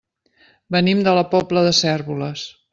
Venim de la Pobla de Cérvoles.